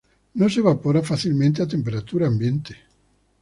No se evapora fácilmente a temperatura ambiente.